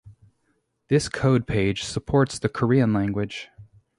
This code page supports the Korean language.